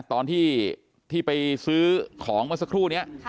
ตอนที่ที่ไปซื้อของมาสักครู่เนี้ยค่ะ